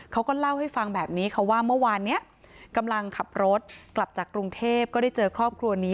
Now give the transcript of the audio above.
เขาก็เล่าให้ฟังแบบนี้ค่ะว่าเมื่อวานนี้กำลังขับรถกลับจากกรุงเทพก็ได้เจอครอบครัวนี้